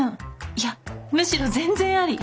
いやむしろ全然アリ。